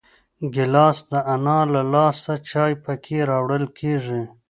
ګیلاس د انا له لاسه چای پکې راوړل کېږي.